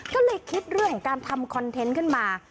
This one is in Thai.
ก็เลยคิดเรื่องของการทำคอนเทนต์ขึ้นมา